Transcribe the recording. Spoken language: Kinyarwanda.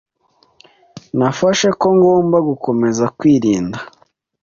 Nafashe ko ngomba gukomeza kwirinda